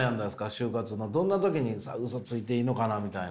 就活のどんな時にウソついていいのかなみたいな。